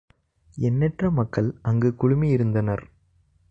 எண்ணற்ற மக்கள் அங்கு குழுமியிருந்தனர்.